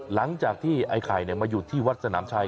หลังจากที่ไอ้ไข่มาอยู่ที่วัดสนามชัย